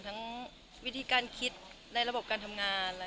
ทั้งวิธีการคิดและระบบการทำงาน